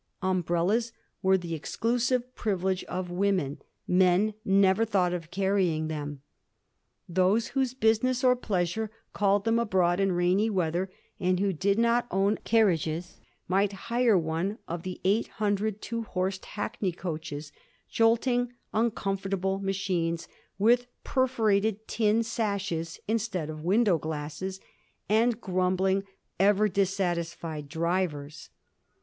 Umbrellas were the exclusive privilege of women ; men never thought of carrying them. Those whose business or pleasure called them abroad in rainy weather and who did not own carriages might hire one of the eight hundred two horsed hackney carriages ; jolting, xmcomfortable machines, with perforated tin sashes instead of window glasses, and grumbling, ever dissatisfied drivers.